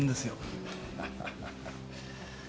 ハハハハ。